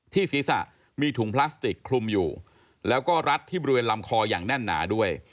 ศีรษะมีถุงพลาสติกคลุมอยู่แล้วก็รัดที่บริเวณลำคออย่างแน่นหนาด้วย